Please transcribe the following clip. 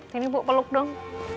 sini bu peluk dong